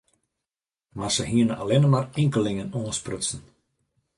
Mar se hiene allinne mar inkelingen oansprutsen.